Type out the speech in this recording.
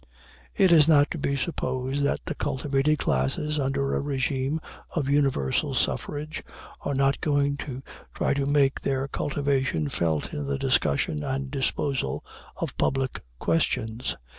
It is not to be supposed that the cultivated classes, under a régime of universal suffrage, are not going to try to make their cultivation felt in the discussion and disposal of public questions.